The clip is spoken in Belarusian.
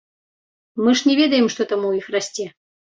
Мы ж не ведаем, што там у іх расце.